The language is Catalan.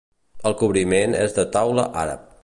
El cobriment és de teula àrab.